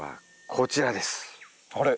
あれ？